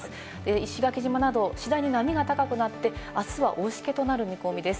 石垣島など次第に波が高くなって、あすは大しけとなる見込みです。